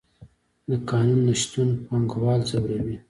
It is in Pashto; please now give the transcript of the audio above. د قانون نشتون پانګوال ځوروي.